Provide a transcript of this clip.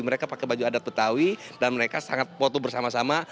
mereka pakai baju adat betawi dan mereka sangat foto bersama sama